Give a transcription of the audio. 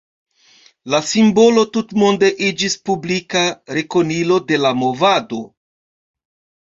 La simbolo tutmonde iĝis publika rekonilo de la movado.